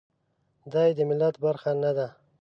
دای د ملت برخه نه ده.